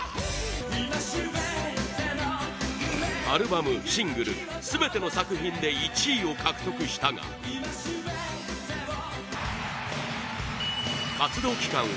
アルバム・シングル全ての作品で１位を獲得したが活動期間